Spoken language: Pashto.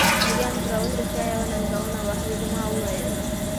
د دې انځورول رښتیا یوه ننګونه وه ویلما وویل